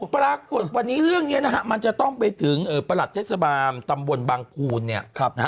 ปรากฏวันนี้เรื่องนี้นะฮะมันจะต้องไปถึงประหลัดเทศบาลตำบลบางภูลเนี่ยนะฮะ